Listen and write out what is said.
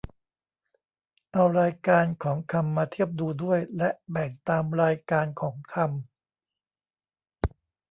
เอารายการของคำมาเทียบดูด้วย และแบ่งตามรายการของคำ